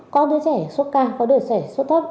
có đứa trẻ sốt cao có đứa trẻ sốt thấp